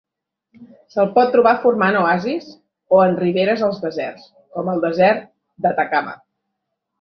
Se'l pot trobar formant oasis o en riberes als deserts, com al desert d'Atacama.